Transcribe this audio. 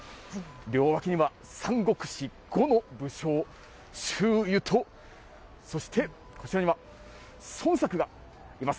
両脇には三国志、呉の武将、周瑜とそしてこちらには、孫策がいます。